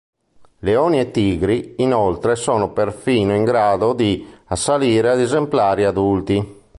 Leoni e tigri, inoltre, sono perfino in grado di assalire esemplari adulti.